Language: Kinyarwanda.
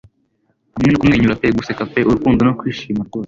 hamwe no kumwenyura pe guseka pe urukundo no kwishima rwose